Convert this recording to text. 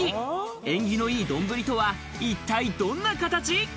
縁起のいい丼とは、一体どんな形？